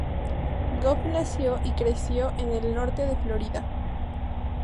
Goff nació y creció en el norte de Florida.